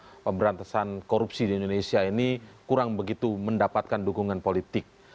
terutama berbicara soal pemerintahan korupsi di indonesia ini kurang begitu mendapatkan dukungan politik